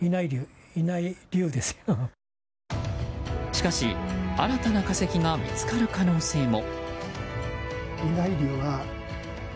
しかし、新たな化石が見つかる可能性も。